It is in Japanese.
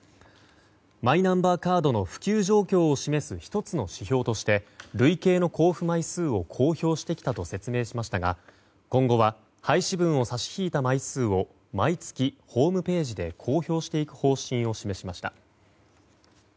マイナンバーカードの普及状況を示す１つの指標として累計の交付枚数を公表してきたと説明しましたが今後は廃止分を差し引いた枚数を毎月、ホームページで公表していく方針を示しました。